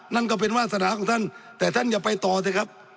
นั่นก็เป็นวาสนาของท่านแต่ท่านอย่าไปต่อสิครับ